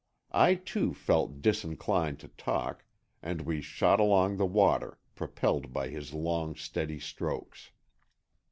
I too felt disinclined to talk, and we shot along the water, propelled by his long steady strokes.